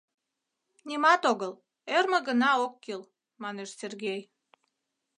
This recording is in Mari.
— Нимат огыл, ӧрмӧ гына ок кӱл, — манеш Сергей.